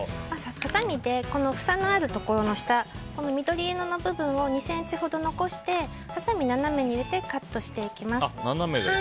はさみで房のあるところの下緑色の部分を２ｃｍほど残してはさみ斜めに入れてカットしていきます。